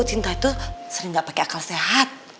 cinta itu sering gak pakai akal sehat